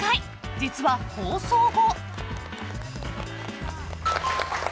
実は、放送後。